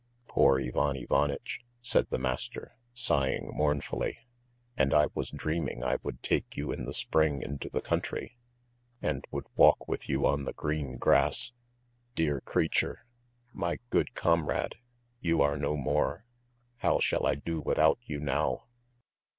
"Poor Ivan Ivanitch!" said the master, sighing mournfully. "And I was dreaming I would take you in the spring into the country, and would walk with you on the green grass. Dear creature, my good comrade, you are no more! How shall I do without you now?"